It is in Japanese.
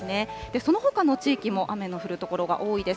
そのほかの地域も雨の降る所が多いです。